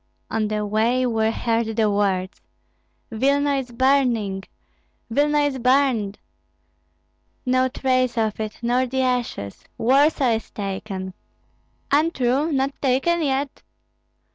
On the way were heard the words: "Vilna is burning, Vilna is burned! No trace of it, nor the ashes! Warsaw is taken! Untrue, not taken yet!